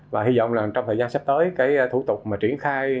và hy vọng là trong thời gian sắp tới cái thủ tục mà triển khai